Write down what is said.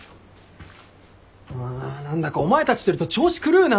あ何だかお前たちといると調子狂うな！